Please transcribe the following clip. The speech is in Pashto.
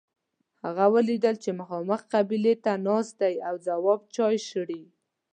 هغه ولید چې مخامخ قبلې ته ناست دی او جواب چای شړي.